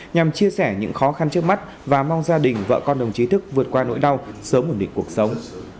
nhằm chia sẻ những khó khăn trước mắt và mong gia đình vợ con đồng chí thức vượt qua nỗi đau sớm ổn định cuộc sống